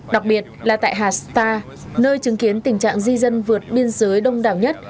đặc biệt là tại hashta nơi chứng kiến tình trạng di dân vượt biên giới đông đảo nhất